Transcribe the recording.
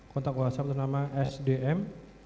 kontak whatsapp atas nama sdm